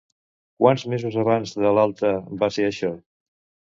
Quants mesos abans de l'alta va ser això?